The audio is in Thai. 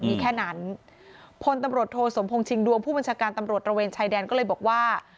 มีแค่นั้นพลตำรวจโทสมพงษิงดวงผู้บัญชาการตำรวจตระเวนชายแดนก็เลยบอกว่า